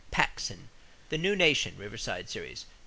= Paxson, The New Nation (Riverside Series), pp.